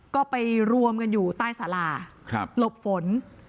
ก็ไปรวมกันอยู่ใต้สาราหลบฝน